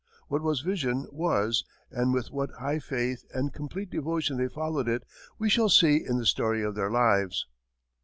What that vision was, and with what high faith and complete devotion they followed it, we shall see in the story of their lives.